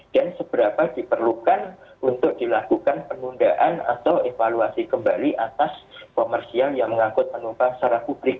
dan seberapa diperlukan untuk dilakukan penundaan atau evaluasi kembali atas komersial yang mengangkut penumpang secara publik